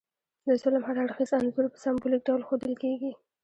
د ظلم هر اړخیز انځور په سمبولیک ډول ښودل کیږي.